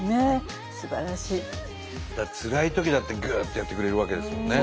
つらいときだってグ！ってやってくれるわけですもんね。